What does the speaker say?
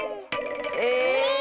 え⁉